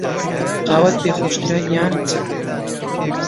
قاوەت پێ خۆشترە یان چا؟